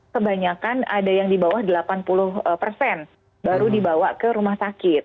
kebanyakan ada yang di bawah delapan puluh persen baru dibawa ke rumah sakit